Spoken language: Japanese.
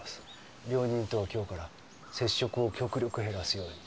病人とは今日から接触を極力減らすように。